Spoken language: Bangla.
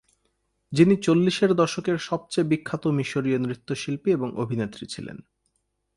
যিনি চল্লিশের দশকের সবচেয়ে বিখ্যাত মিশরীয় নৃত্যশিল্পী এবং অভিনেত্রী ছিলেন।